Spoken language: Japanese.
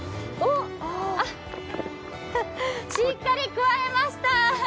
しっかりくわえました。